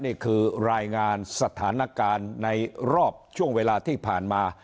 นี่คือรายงานสถานการณ์ในรอบช่วงเวลาที่ผ่านมา